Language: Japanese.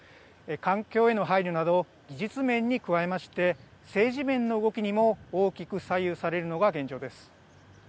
環境への配慮など技術面に加えまして政治面の動きにも大きく左右されるのが現状です。